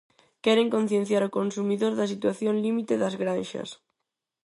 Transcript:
Queren concienciar o consumidor da situación límite das granxas.